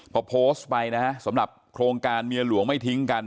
พอโพสต์ไปนะฮะสำหรับโครงการเมียหลวงไม่ทิ้งกัน